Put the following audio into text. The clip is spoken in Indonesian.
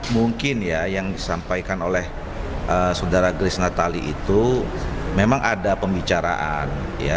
mungkin ya yang disampaikan oleh saudara grace natali itu memang ada pembicaraan